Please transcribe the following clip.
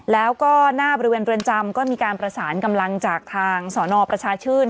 แล้วก็หน้าบริเวณเรือนจำก็มีการประสานกำลังจากทางสนประชาชื่น